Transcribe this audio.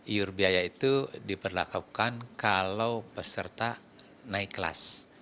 iur biaya itu diperlakukan kalau peserta naik kelas